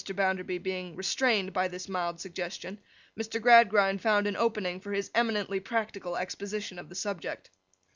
Bounderby being restrained by this mild suggestion, Mr. Gradgrind found an opening for his eminently practical exposition of the subject.